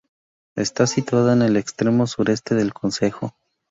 Está situada en el extremo sureste del concejo.